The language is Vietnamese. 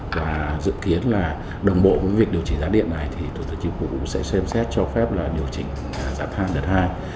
và dự kiến là đồng bộ với việc điều chỉnh giá điện này thì thủ tướng chính phủ sẽ xem xét cho phép là điều chỉnh giá than đợt hai